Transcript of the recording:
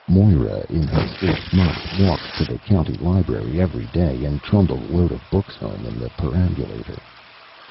Moira, in her eighth month, walked to the county library every day and trundled a load of books home in the perambulator.